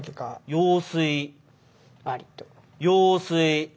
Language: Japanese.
用水。